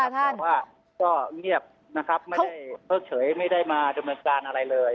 แต่ว่าก็เงียบนะครับไม่ได้เพิ่งเฉยไม่ได้มาดำเนินการอะไรเลย